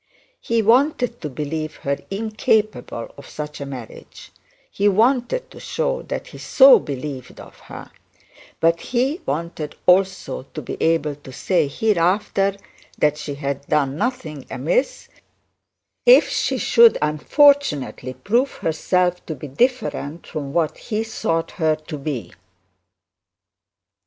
He wanted to believe her incapable of such a marriage; he wanted to show that he so believed of her; but he wanted also to be able to say hereafter, that she had done nothing amiss, if she could unfortunately prove herself to be different from what he thought her to be.